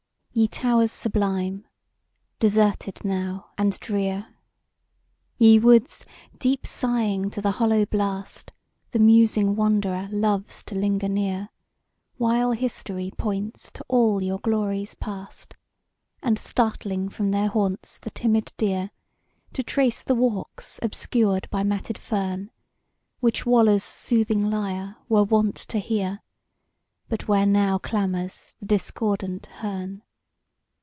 YE towers sublime! deserted now and drear! Ye woods! deep sighing to the hollow blast, The musing wanderer loves to linger near, While History points to all your glories past: And startling from their haunts the timid deer, To trace the walks obscured by matted fern, Which Waller's soothing lyre were wont to hear, But where now clamours the discordant hern!